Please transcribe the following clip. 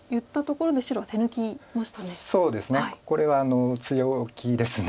これは強気です。